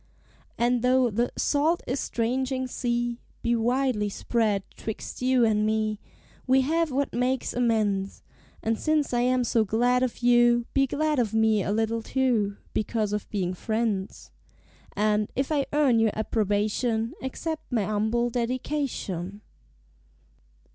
And, though the "salt estranging sea" Be widely spread 'twixt you and me, We have what makes amends; And since I am so glad of you, Be glad of me a little, too, Because of being friends. And, if I earn your approbation, Accept my humble dedication.